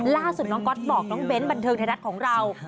ล่าสุดน้องก๊อตบอกน้องเบ้นบันเทิงไทยรัฐของเรา